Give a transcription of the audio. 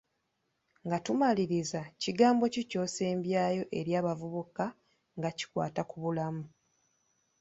Nga tumaliriza, kigambo ki ky'osembyayo eri abavubuka nga kikwata ku bulamu?